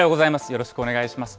よろしくお願いします。